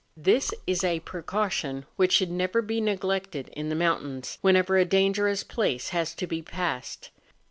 This is a precaution which should never be neglected in the mountains, whenever a dangerous place has to be passed.